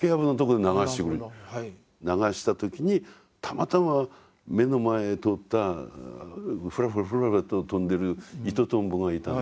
流した時にたまたま目の前を通ったフラフラフラフラと飛んでるイトトンボがいたんですね。